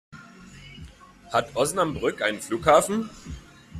Hat Osnabrück einen Flughafen?